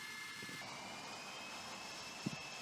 霍诺留自毁长城的举动给西哥特人带来了机会。